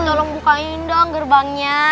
tolong bukain dong gerbangnya